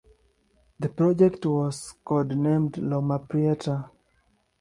The project was code-named Loma Prieta.